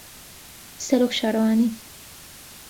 سەرۆک شارەوانی